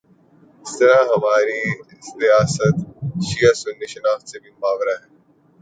اسی طرح ہماری ریاست شیعہ سنی شناخت سے بھی ماورا ہے۔